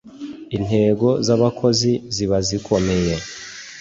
intego zabakozi zibazikomeye.